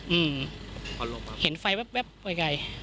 อืมเห็นไฟแว๊บไปไกล